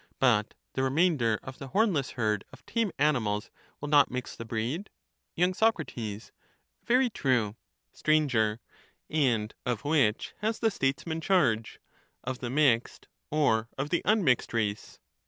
But the remainder of the hornless herd of tame animals will not mix the breed. y. Soc. Very true. Sir. And of which has the Statesman charge, — of the mixed or of the unmixed race